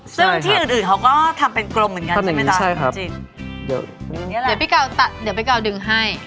ซึ่งที่อื่นเขาก็ทำเป็นกลมเหมือนกันใช่ไหมครับจริง